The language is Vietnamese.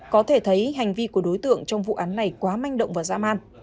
có thể thấy hành vi của đối tượng trong vụ án này quá manh động và dã man